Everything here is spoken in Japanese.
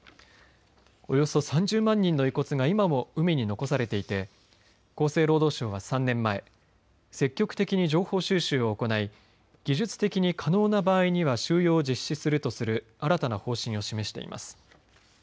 およそ３０万人の遺骨が今も海に残されていて厚生労働省は３年前積極的に情報収集を行い技術的に可能な場合には収容を実施するとする新たな方針を示しています。